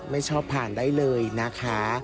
ไม่ชอบผ่านได้เลยนะคะ